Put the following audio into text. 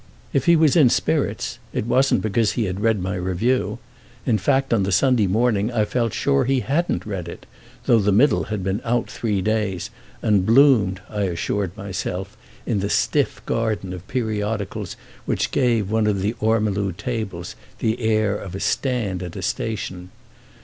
If he was in spirits it wasn't because he had read my review; in fact on the Sunday morning I felt sure he hadn't read it, though The Middle had been out three days and bloomed, I assured myself, in the stiff garden of periodicals which gave one of the ormolu tables the air of a stand at a station.